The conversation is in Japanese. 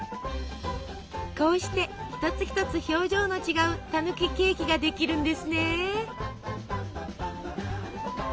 こうして一つ一つ表情の違うたぬきケーキができるんですね。